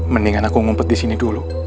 mendingan aku ngumpet di sini dulu